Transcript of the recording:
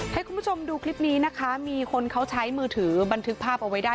ให้คุณผู้ชมดูคลิปนี้นะคะมีคนเขาใช้มือถือบันทึกภาพเอาไว้ได้